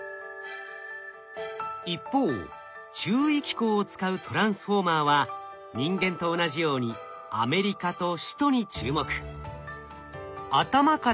一方注意機構を使うＴｒａｎｓｆｏｒｍｅｒは人間と同じように「アメリカ」と「首都」に注目。